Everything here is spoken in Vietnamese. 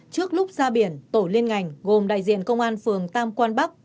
trước lúc ra biển tổ liên ngành gồm đại diện công an phường tam quan bắc